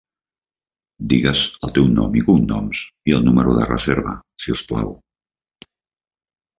Digues el teu nom i cognoms i el número de reserva, si us plau.